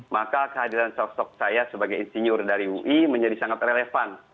maka kehadiran sosok saya sebagai insinyur dari ui menjadi sangat relevan